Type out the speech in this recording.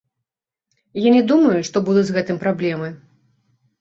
Я не думаю, што будуць з гэтым праблемы.